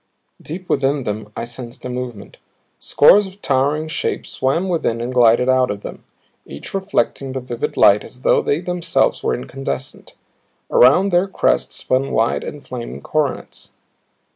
Deep within them I sensed a movement. Scores of towering shapes swam within and glided out of them, each reflecting the vivid light as though they themselves were incandescent. Around their crests spun wide and flaming coronets.